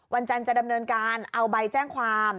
วันจันทร์จะดำเนินการเอาใบแจ้งความ